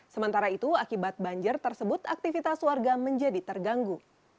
sementara itu akibat banjir tersebut aktivitas warga menjadi terganggu